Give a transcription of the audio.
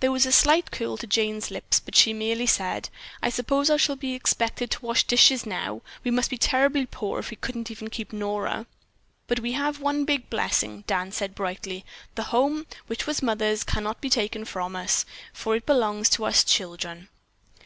There was a slight curl to Jane's lips, but she merely said: "I suppose I shall be expected to wash dishes now. We must be terribly poor if we couldn't even keep Nora." "But we have one big blessing," Dan said brightly, "the home, which was mother's can not be taken from us, for it belongs to us children."